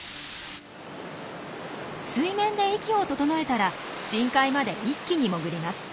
水面で息を整えたら深海まで一気に潜ります。